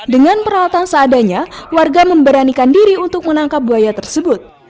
dengan peralatan seadanya warga memberanikan diri untuk menangkap buaya tersebut